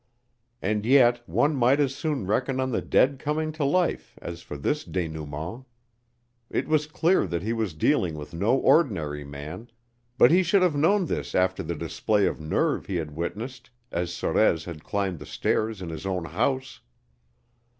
And yet one might as soon reckon on the dead coming to life, as for this dénouement. It was clear that he was dealing with no ordinary man, but he should have known this after the display of nerve he had witnessed as Sorez had climbed the stairs in his own house.